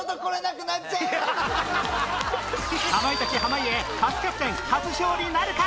かまいたち濱家初キャプテン初勝利なるか？